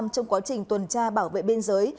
trong quá trình tuần tra bảo vệ biên giới